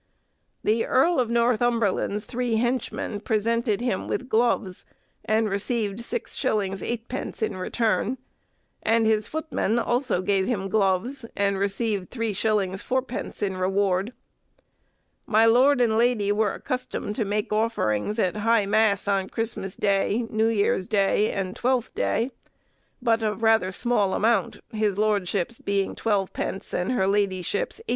The Earl of Northumberland's three henchmen presented him with gloves, and received 6_s._ 8_d._ in return; and his footmen also gave him gloves, and received 3_s._ 4_d._ in reward. My lord and lady were accustomed to make offerings at high mass on Christmas Day, New Year's Day, and Twelfth Day; but of rather small amount, his lordship's being 12_d._ and her ladyship's 8_d.